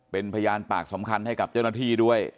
เป็นพยานปากสำคัญให้กับเจ้าหน้าที่ด้วย